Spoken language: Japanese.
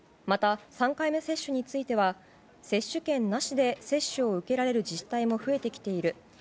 また、３回目接種については接種券なしで接種を受けられる自治体も増えてきている。